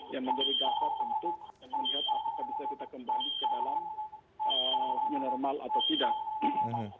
yang menjadi dasar untuk melihat apakah bisa kita kembali ke dalam new normal atau tidak